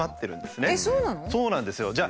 そうなんですよ。